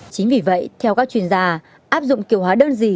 chính vì vậy theo các chuyên gia áp dụng kiểu hóa đơn gì